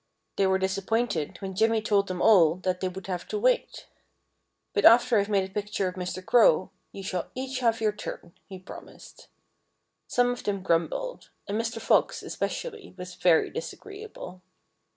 They were disappointed when Jimmy told them all that they would have to wait. "But after I've made a picture of Mr. Crow you shall each have your turn," he promised. Some of them grumbled. And Mr. Fox, especially, was very disagreeable.